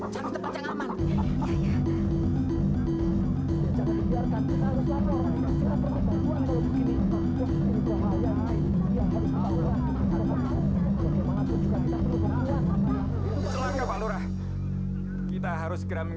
cari tempat yang aman